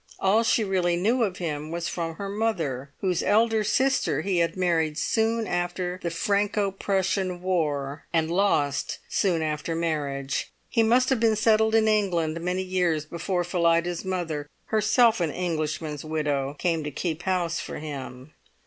All she really knew of him was from her mother, whose elder sister he had married soon after the Franco Prussian War, and lost soon after marriage. He must have been settled in England many years before Phillida's mother, herself an Englishman's widow, came to keep house for him.